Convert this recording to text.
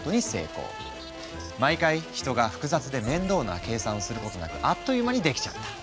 毎回人が複雑で面倒な計算をすることなくあっという間にできちゃった。